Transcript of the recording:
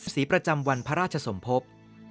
สีประจำวันพระราชสมภพ